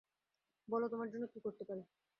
বলো তোমার জন্য কী করতে পারি?